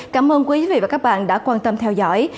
cảm ơn quý vị và các bạn đã quan tâm theo dõi